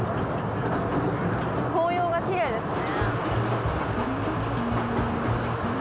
紅葉がきれいですね。